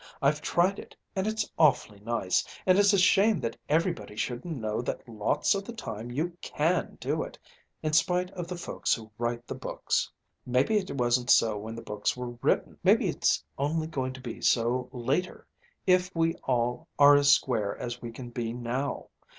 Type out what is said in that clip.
I've tried it and it's awfully nice, and it's a shame that everybody shouldn't know that lots of the time you can do it in spite of the folks who write the books! Maybe it wasn't so when the books were written, maybe it's only going to be so, later, if we all are as square as we can be now.